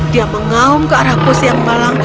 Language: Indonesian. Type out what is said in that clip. dia mengaum ke arah pus yang malang